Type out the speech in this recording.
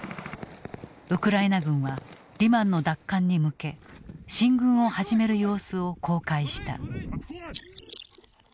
ウクライナ軍はリマンの奪還に向け進軍を始める様子を公開した。